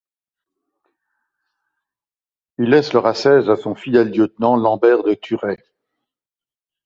Il laisse le Razès à son fidèle lieutenant Lambert de Thurey.